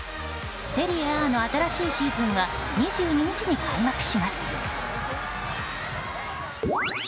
セリエＡの新しいシーズンは２２日に開幕します。